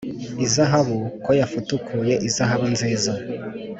Izahabu ko yafutukuye Izahabu nziza